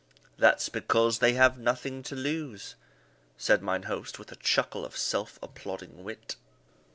"That's because they have nothing to lose," said mine host, with the chuckle of a self applauding wit.